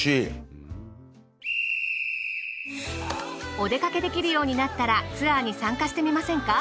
お出掛け出来るようになったらツアーに参加してみませんか？